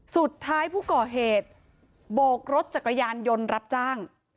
สุดท้ายผู้ก่อเหตุโบกรถจักรยานยนต์รับจ้าง